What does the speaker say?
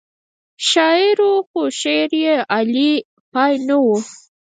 شاعر و خو شعر یې اعلی پای نه و.